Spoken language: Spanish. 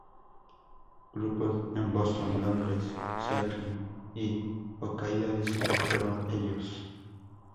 Grupos en Boston, Londres, Seattle, y Hokkaidō, dicen que fueron ellos.